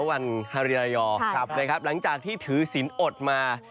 วันที่หลังจากที่ถือสินโอ้ดมา